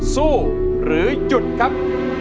สู้หรือหยุดครับ